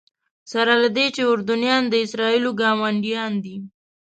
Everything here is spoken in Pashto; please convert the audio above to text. سره له دې چې اردنیان د اسرائیلو ګاونډیان دي.